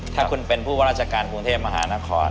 ถ้าคุณเป็นผู้ว่าราชการกรุงเทพมหานคร